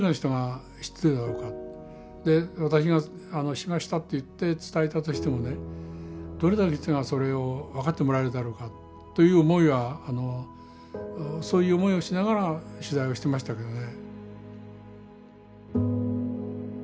で私がしましたって言って伝えたとしてもねどれだけの人がそれを分かってもらえるだろうかという思いはそういう思いをしながら取材をしてましたけどね。